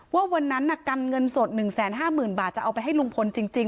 ว่าวันนั้นกำเงินสด๑๕๐๐๐บาทจะเอาไปให้ลุงพลจริง